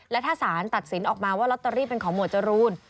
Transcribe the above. และถ้าสารตัดสินออกมาว่าลอตเตอรี่เป็นของหมวดจรูน